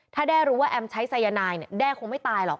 ถ้าแด้รู้ว่าแอมใช้สายนายเนี่ยแด้คงไม่ตายหรอก